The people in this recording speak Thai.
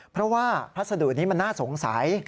เพราะว่าพัสดุนี้มันน่าสงสัย